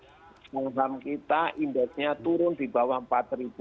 pembangunan kita indexnya turun di bawah rp empat